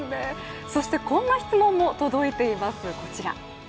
そしてこんな質問も届いています。